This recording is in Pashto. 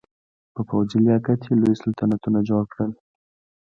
په پوځي لیاقت یې لوی سلطنتونه جوړ کړل.